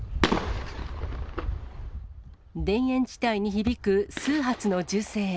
田園地帯に響く数発の銃声。